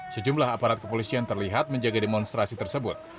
sejumlah aparat kepolisian terlihat menjaga demonstrasi tersebut